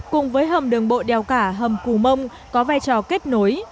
cùng với hầm đường bộ đèo cả hầm cù mông có vai trò kết nối